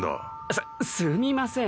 すすみません。